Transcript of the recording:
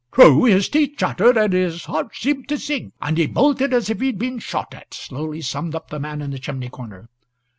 "True his teeth chattered, and his heart seemed to sink, and he bolted as if he'd been shot at," slowly summed up the man in the chimney corner.